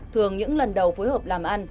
thường những lần đầu phối hợp làm ăn